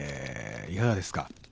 いかがですか？